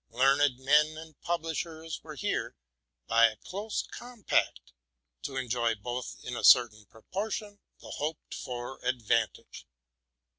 Learned men and publishers were here, by a close compact, to enjoy, both a certain proportion, the hoped for advantage.